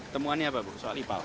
temuan ini apa bu soal ipal